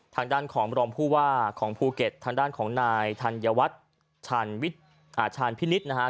ทางด้านของรองผู้ว่าของภูเก็ตทางด้านของนายธัญวัฒน์ชาญชาญพินิษฐ์นะฮะ